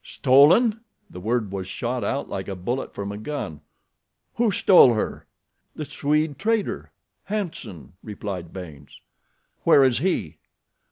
"Stolen!" The word was shot out like a bullet from a gun. "Who stole her?" "The Swede trader, Hanson," replied Baynes. "Where is he?"